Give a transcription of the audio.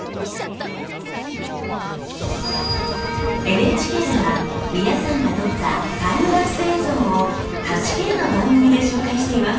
ＮＨＫではみなさんが撮ったタイムラプス映像を８Ｋの番組で紹介しています。